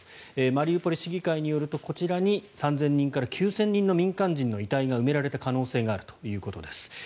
マリウポリ市議会によるとこちらに３０００人から９０００人の民間人の遺体が埋められた可能性があるということです。